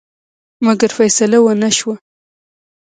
مګر فیصه ونه شوه.